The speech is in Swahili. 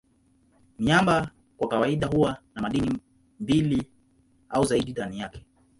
Miamba kwa kawaida huwa na madini mbili au zaidi ndani yake.